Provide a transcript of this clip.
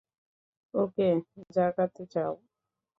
ওকে জাগাতে চাও?